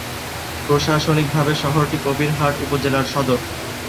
প্রশাসনিকভাবে শহরটি কবিরহাট উপজেলার সদর।